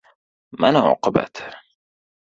— Mana oqibati!